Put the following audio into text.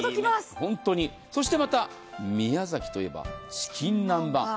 また、宮崎といえばチキン南蛮。